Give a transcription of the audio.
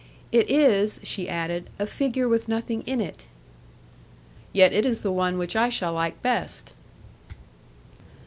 "It is," she added, "a figure with nothing in it." "Yet it is the one which I shall like best."